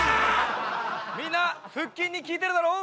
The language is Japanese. みんな腹筋に効いてるだろう？